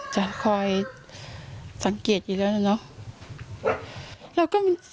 จะคอยสังเกตอยู่แล้วนะเนาะ